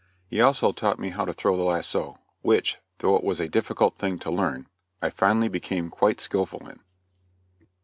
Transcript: He also taught me how to throw the lasso, which, though it was a difficult thing to learn, I finally became, quite skillful in.